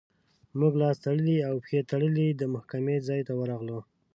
موږ لاس تړلي او پښې تړلي د محکمې ځای ته ورغلو.